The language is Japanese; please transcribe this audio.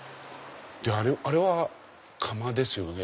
あれは窯ですよね